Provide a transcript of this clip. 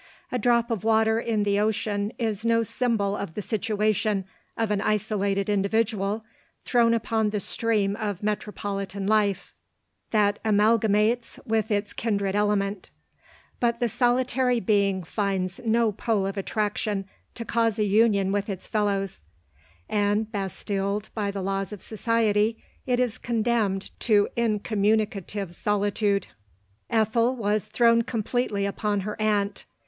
A drop of water in the ocean is no symbol of the situ ation of an isolated individual thrown upon the stream of metropolitan life ; that amalgamates with its kindred clement; but the solitary being finds no pole of attraction to cause a union with its fellows, and bastilled by the laws of society, it is condemned to incommunicative solitude. lodori:. 291 Ethel was thrown completely upon her aunt.